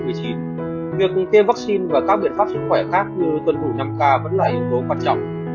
việc tiêm vaccine và các biện pháp sức khỏe khác như tuân thủ năm k vẫn là yếu tố quan trọng